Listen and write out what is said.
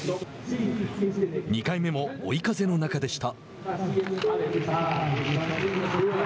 ２回目の追い風の中でした。